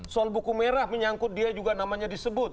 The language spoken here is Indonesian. soal buku merah menyangkut dia juga namanya disebut